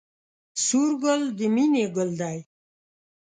سور ګل د مینې ګل دی